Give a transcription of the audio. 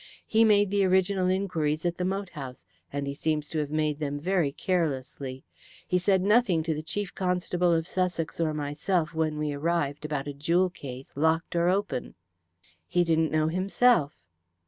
He made the original inquiries at the moat house, and he seems to have made them very carelessly. He said nothing to the Chief Constable of Sussex or myself, when we arrived, about a jewel case, locked or open." "He didn't know himself."